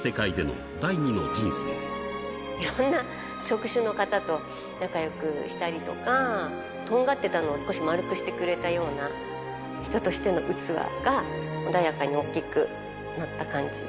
いろんな職種の方と仲よくしたりとか、とんがってたのを少し丸くしてくれたような、人としての器が穏やかに大きくなった感じ。